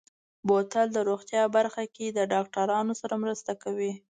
بوتل د روغتیا برخه کې د ډاکترانو سره مرسته کوي.